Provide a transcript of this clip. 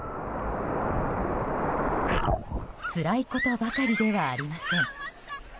つらいことばかりではありません。